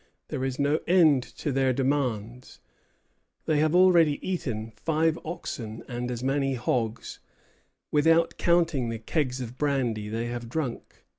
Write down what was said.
There is no end to their demands. They have already eaten five oxen and as many hogs, without counting the kegs of brandy they have drunk.